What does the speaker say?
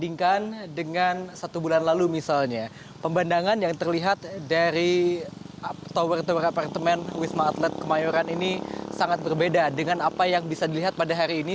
bandingkan dengan satu bulan lalu misalnya pemandangan yang terlihat dari tower tower apartemen wisma atlet kemayoran ini sangat berbeda dengan apa yang bisa dilihat pada hari ini